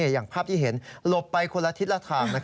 อย่างภาพที่เห็นหลบไปคนละทิศละทาง